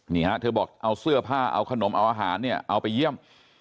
นี่ฮะเธอบอกเอาเสื้อผ้าเอาขนมเอาอาหารเนี่ยเอาไปเยี่ยม